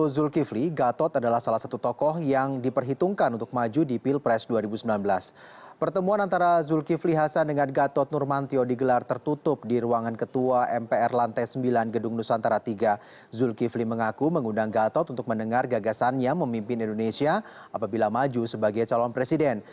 zulkifli mengaku mengundang gatot untuk mendengar gagasan yang memimpin indonesia apabila maju sebagai calon presiden